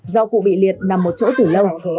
do cụ bị liệt nằm một chỗ tử lâu